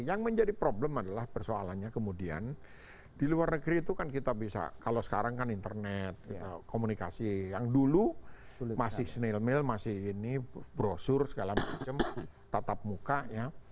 yang menjadi problem adalah persoalannya kemudian di luar negeri itu kan kita bisa kalau sekarang kan internet komunikasi yang dulu masih snail mail masih ini brosur segala macam tatap muka ya